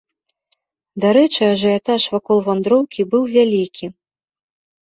Дарэчы ажыятаж вакол вандроўкі быў вялікі.